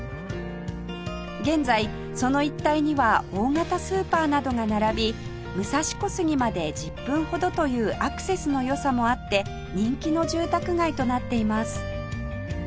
現在その一帯には大型スーパーなどが並び武蔵小杉まで１０分ほどというアクセスの良さもあって人気の住宅街となっています